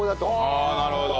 ああなるほど。